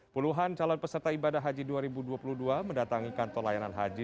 puluhan calon peserta ibadah haji dua ribu dua puluh dua mendatangi kantor layanan haji